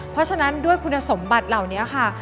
เพราะฉะนั้นด้วยคุณสมบัติเหล่านี้ค่ะ